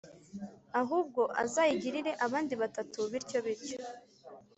ahubwo azayigirire abandi batatu bityo bityo"